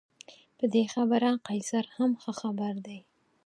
په دې خبره قیصر هم ښه خبر دی.